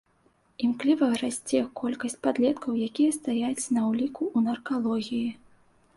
Імкліва расце колькасць падлеткаў, якія стаяць на ўліку ў наркалогіі.